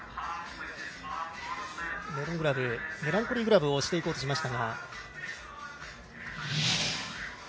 メランコリーグラブをしていこうとしましたが。